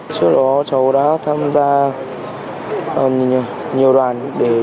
trước đó cháu đã tham gia nhiều đoàn